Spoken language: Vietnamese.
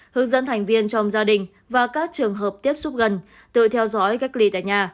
hướng dẫn thành viên trong gia đình và các trường hợp tiếp xúc gần tự theo dõi cách ly tại nhà